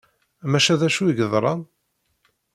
Maca d acu i yeḍran?